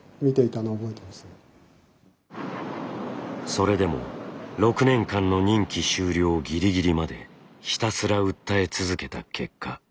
それでも６年間の任期終了ぎりぎりまでひたすら訴え続けた結果。